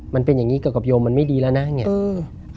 มันเป็นอย่างนี้กับกับโยมมันไม่ดีแล้วนะ